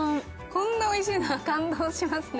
こんなおいしいの感動しますね。